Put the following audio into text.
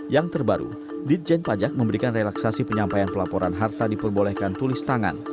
yang terbaru ditjen pajak memberikan relaksasi penyampaian pelaporan harta diperbolehkan tulis tangan